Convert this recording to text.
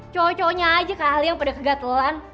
coconya aja kali yang pada kegateluan